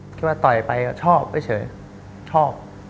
คิดว่าต่อยไปชอบไม่เฉยชอบ